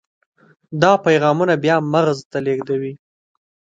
دا پیغامونه بیا مغز ته لیږدوي.